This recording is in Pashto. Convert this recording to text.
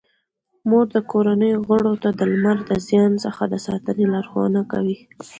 مور د کورنۍ غړو ته د لمر د زیان څخه د ساتنې لارښوونه کوي.